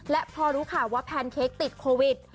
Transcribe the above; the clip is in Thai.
และพอรู้ข่าวว่าแพนเค้กติดโควิด